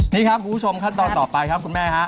นี่ครับคุณผู้ชมขั้นตอนต่อไปครับคุณแม่ฮะ